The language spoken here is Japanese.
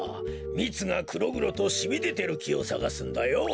みつがくろぐろとしみでてるきをさがすんだよ。